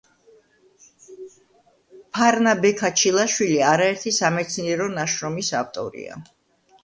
ფარნა-ბექა ჩილაშვილი არაერთი სამეცნიერო ნაშრომის ავტორია.